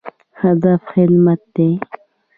هدف خدمت دی